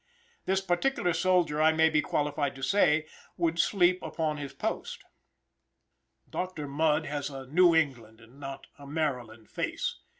This particular soldier, I may be qualified to say, would sleep upon his post. Doctor Mudd has a New England and not a Maryland face.